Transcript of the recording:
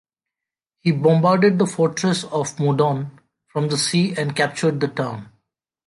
He bombarded the fortress of Modon from the sea and captured the town.